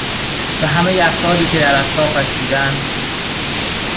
و همه ی افرادی که در اطرافش بودند،